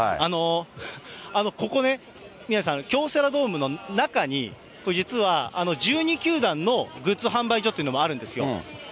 ここね、宮根さん、京セラドームの中に、実は１２球団のグッズ販売所っていうのもあるんですよ。